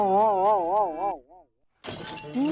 โทษนะ